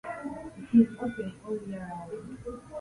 It is open all year round.